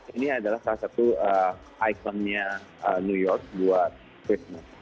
ini adalah salah satu ikonnya new york buat qrisma